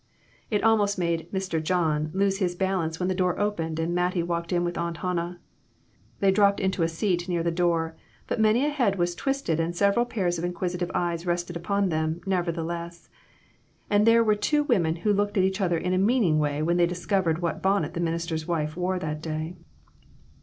It almost made "Mr. John" lose his balance when the door opened and Mattie walked in with Aunt Hannah. They dropped into a seat near the door, but many a head was twisted and sev eral pairs of inquisitive eyes rested upon them, nevertheless. And there were two women who looked at each other in a meaning way when they discovered what bonnet the minister's wife wore that day.